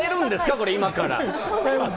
これ、今から。